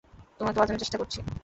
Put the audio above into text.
তোমাকে বাঁচানোর চেষ্টা করছি।